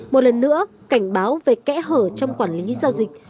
một lần nữa cảnh báo về kẽ hở trong quản lý giao dịch